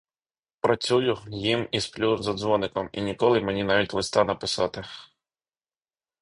Працюю, їм і сплю за дзвоником, і ніколи мені навіть листа написати.